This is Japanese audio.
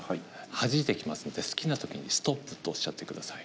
はじいていきますので好きな時に「ストップ」とおっしゃって下さい。